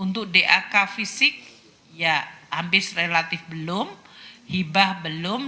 untuk dak fisik ya habis relatif belum hibah belum